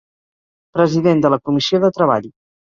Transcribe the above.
President de la Comissió de Treball.